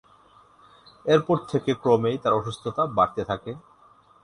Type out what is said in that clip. এরপর থেকে ক্রমেই তাঁর অসুস্থতা বাড়তে থাকে।